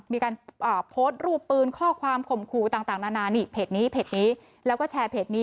มีการโพสรูปปืนข้อความโขมคูต่างนานาในเพจนี้แล้วก็แชร์เพจนี้